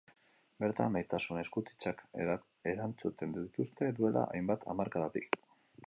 Bertan maitasun eskutitzak erantzuten dituzte duela hainbat hamarkadatik.